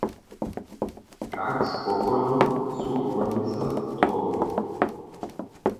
Kak spokojom su organizatorojo?